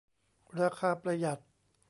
ราคาประหยัด